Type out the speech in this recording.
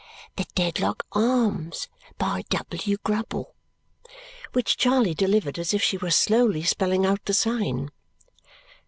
The Dedlock Arms, by W. Grubble," which Charley delivered as if she were slowly spelling out the sign.